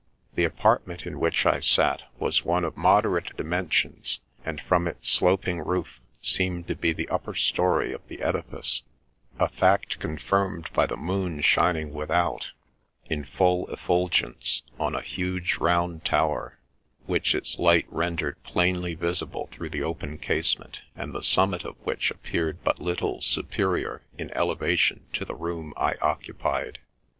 The apartment hi which I sat was one of moderate dimen sions, and from its sloping roof, seemed to be the upper story of the edifice, a fact confirmed by the moon shining without, hi full effulgence, on a huge round tower, which its light rendered plainly visible through the open casement, and the summit of which appeared but little superior in elevation to the room I occupied. THE LATE HENRY HARRIS, D.D.